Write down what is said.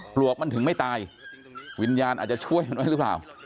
ปลวกมันถึงไม่ตายวิญญาณอาจจะช่วยมันไว้หรือเปล่า